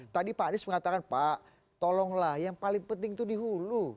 tadi pak anies mengatakan pak tolonglah yang paling penting itu di hulu